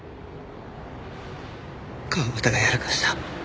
川端がやらかした。